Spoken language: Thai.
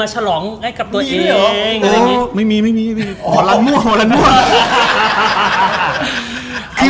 อาจจะให้เต็มที่